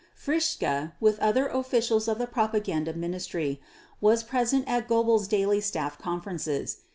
Fritzsche, with other officials of the Propaganda Ministry, was present at Goebbels' daily staff conferences.